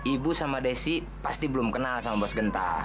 ibu sama desi pasti belum kenal sama bos genta